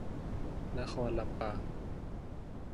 นครลำปาง